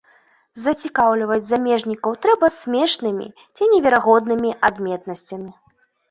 Зацікаўліваць замежнікаў трэба смешнымі ці неверагоднымі адметнасцямі.